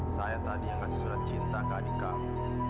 saya tadi yang kasih surat cinta ke adik kami